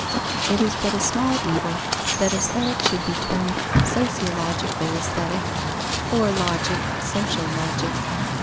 It is but a small evil that Aesthetic should be termed sociological Aesthetic, or Logic, social Logic.